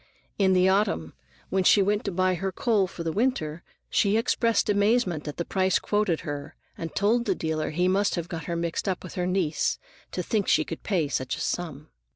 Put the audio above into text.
In the autumn, when she went to buy her coal for the winter, she expressed amazement at the price quoted her, and told the dealer he must have got her mixed up with her niece to think she could pay such a sum.